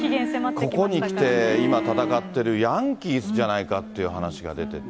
ここにきて、今戦っているヤンキースじゃないかっていう話が出てて。